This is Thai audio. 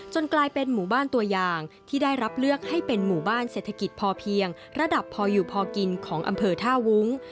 กลายเป็นหมู่บ้านตัวอย่างที่ได้รับเลือกให้เป็นหมู่บ้านเศรษฐกิจพอเพียงระดับพออยู่พอกินของอำเภอท่าวุ้ง